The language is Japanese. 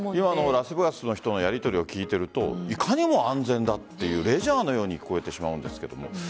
ラスベガスの人のやりとりを聞いているといかにも安全だというレジャーのように聞こえてしまうんですけども。